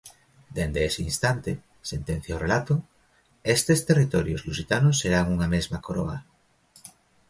Dende ese instante, sentencia o relato, estes territorios lusitanos serán unha mesma coroa.